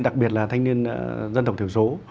đặc biệt là thanh niên dân tộc thiểu số